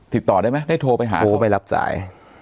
ติดต่อได้ไหมได้โทรไปหาโทรไปรับสาย